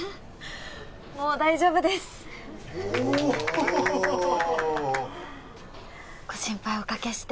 もう大丈夫ですおっご心配おかけして